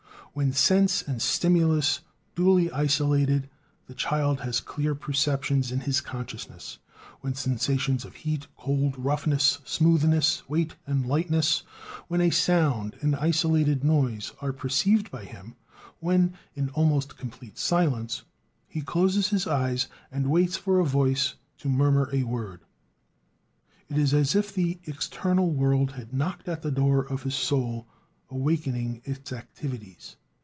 When, sense and stimulus duly isolated, the child has clear perceptions in his consciousness; when sensations of heat, cold, roughness, smoothness, weight, and lightness, when a sound, an isolated noise, are perceived by him, when, in almost complete silence, he closes his eyes and waits for a voice to murmur a word, it is as if the external world had knocked at the door of his soul, awakening its activities.